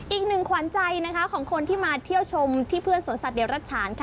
อีกหนึ่งขวัญใจนะคะของคนที่มาเที่ยวชมที่เพื่อนสวนสัตว์เดี่ยวรัชฉานค่ะ